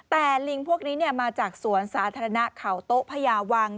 แต่ลิงพวกนี้มาจากสวนสาธารณะเขาโต๊ะพญาวัง